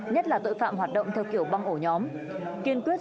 nhất là tội phạm hoạt động theo kiểu băng ổ nhóm kiên quyết